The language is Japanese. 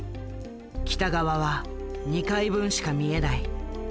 北側は２階分しか見えない。